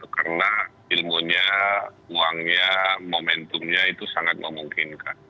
karena ilmunya uangnya momentumnya itu sangat memungkinkan